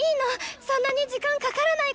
そんなに時間かからないから。